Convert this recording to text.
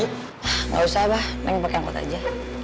gak usah mbak neng pakai angkot aja